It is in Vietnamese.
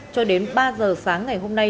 cho đến ba giờ sáng ngày hôm nay